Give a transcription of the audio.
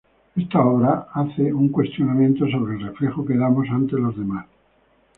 Esta obra hace un cuestionamiento sobre el reflejo que damos ante los demás.